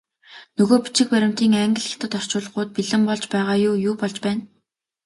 Нөгөө бичиг баримтын англи, хятад орчуулгууд бэлэн болж байгаа юу, юу болж байна?